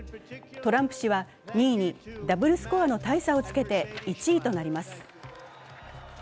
トランプ氏は２位にダブルスコアの大差をつけて１位となります。